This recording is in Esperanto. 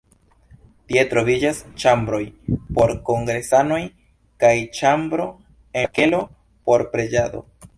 Tie troviĝas ĉambroj por kongresanoj kaj ĉambro en la kelo por preĝado.